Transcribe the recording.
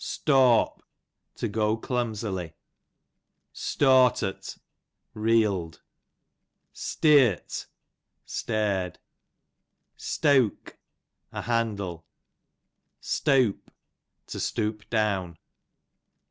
Stawp, to go clumsily. Stawtert, reeled. Steart, stared. Steawk, a handle. Steawp, to stoop down.